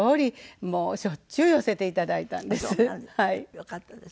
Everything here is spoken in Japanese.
よかったです。